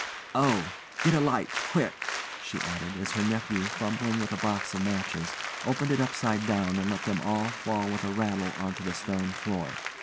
"Oh! get a light quick!" she added, as her nephew, fumbling with a box of matches, opened it upside down and let them all fall with a rattle on to the stone floor.